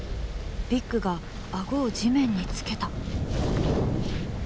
ビッグがアゴを地面につけた。